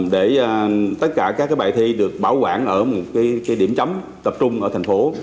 để tất cả các bài thi được bảo quản ở một điểm chấm tập trung ở thành phố